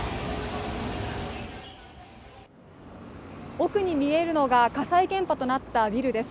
奥に見えるのが火災現場となったビルです。